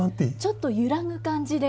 ちょっと揺らぐ感じで。